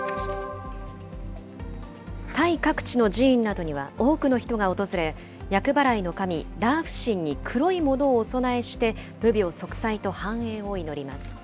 タイ各地の寺院などには多くの人が訪れ、厄払いの神、ラーフ神に黒いものをお供えして、無病息災と繁栄を祈ります。